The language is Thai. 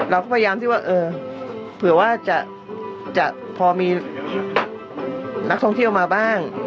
เราก็พยายามที่ว่าเออเผื่อว่าจะพอมีนักท่องเที่ยวมาบ้าง